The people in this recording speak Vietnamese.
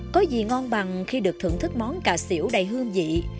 có gì ngon bằng khi được thưởng thức món cà xỉu đầy hương vị